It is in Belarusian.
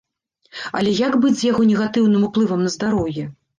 Але як быць з яго негатыўным уплывам на здароўе?